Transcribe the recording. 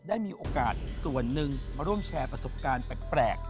ได้มีโอกาสส่วนหนึ่งมาร่วมแชร์ประสบการณ์แปลก